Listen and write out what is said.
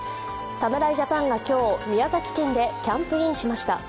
侍ジャパンが今日、宮崎県でキャンプインしました。